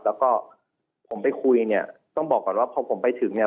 แล้วก็ผมไปคุยเนี่ยต้องบอกก่อนว่าพอผมไปถึงเนี่ย